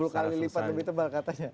sepuluh kali lipat lebih tebal katanya